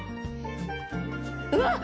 うわっ！